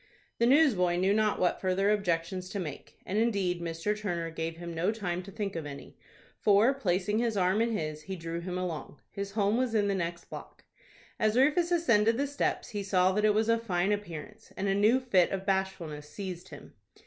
The newsboy knew not what further objections to make, and, indeed, Mr. Turner gave him no time to think of any, for, placing his arm in his, he drew him along. His home was in the next block. As Rufus ascended the steps, he saw that it was of fine appearance, and a new fit of bashfulness seized him.